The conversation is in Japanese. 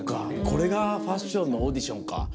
「これがファッションのオーディションか。